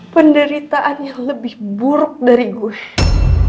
penderitaan yang lebih buruk dari gue